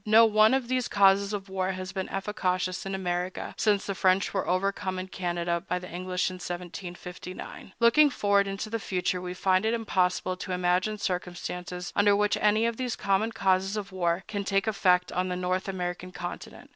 No one of these causes of war has been efficacious in America since the French were overcome in Canada by the English in 1759. Looking forward into the future, we find it impossible to imagine circumstances under which any of these common causes of war can take effect on the North American continent.